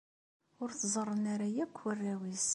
Ur t-ẓerren ara akk warraw-nnes.